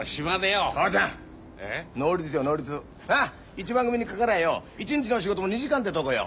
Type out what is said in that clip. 一番組にかかりゃよ一日の仕事も２時間ってとこよ。